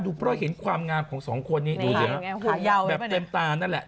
เพราะเห็นความงามของสองคนนี้ดูสิแบบเต็มตานั่นแหละ